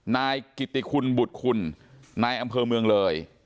นายกิติคุณบุตรคุณนายอำเภอเมืองเลย